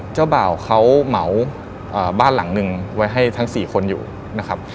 เจ้าบ่าวเขาเหมาบ้านหลังหนึ่งไว้ให้ทั้ง๔คนอยู่นะครับ